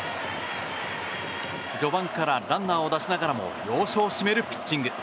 序盤からランナーを出しながらも要所を締めるピッチング。